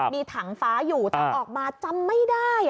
มีถังฟ้าอยู่แต่ออกมาจำไม่ได้